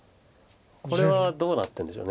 これはどうなってるんでしょう。